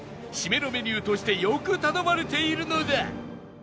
シメのメニューとしてよく頼まれているのだ